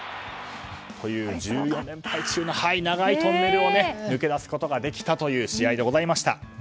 １４連敗中の長いトンネルを抜け出すことができた試合でございました。